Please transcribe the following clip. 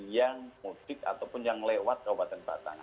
yang mudik ataupun yang lewat ke obat obatan batang